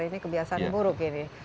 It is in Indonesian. ini kebiasaan buruk ini